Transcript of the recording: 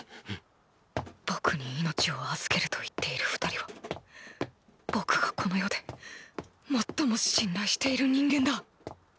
僕に命を預けると言っている二人は僕がこの世で最も信頼している人間だ。